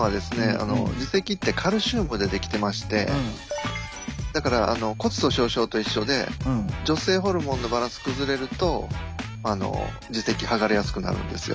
あの耳石ってカルシウムで出来てましてだから骨粗しょう症と一緒で女性ホルモンのバランス崩れると耳石剥がれやすくなるんですよ。